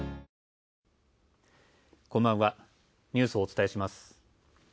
こんばんは、ニュースをお伝えします。